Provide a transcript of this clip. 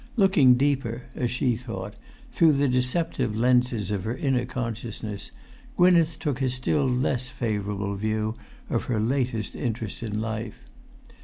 Looking deeper (as she thought), through the deceptive lenses of her inner consciousness, Gwynneth took a still less favourable view of her latest interest in life.